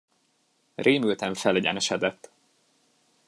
Rémülten felegyenesedett.